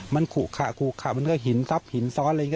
มันขุขะขุขะมันก็หินซับหินซ้อนอะไรอย่างนี้